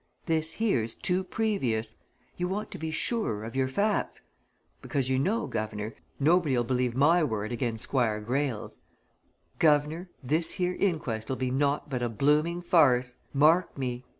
This here's too previous you want to be surer of your facts. Because you know, guv'nor nobody'll believe my word agen Squire Greyle's. Guv'nor this here inquest'll be naught but a blooming farce! Mark me!